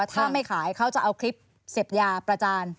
ถ้าไม่ขายเขาจะเอาคลิปเสพยาประจาน